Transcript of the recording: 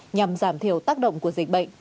nhằm giảm thiểu tác động của dịch bệnh